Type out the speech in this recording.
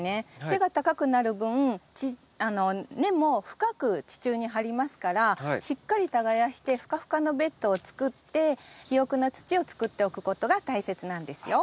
背が高くなる分根も深く地中に張りますからしっかり耕してふかふかのベッドを作って肥沃な土を作っておくことが大切なんですよ。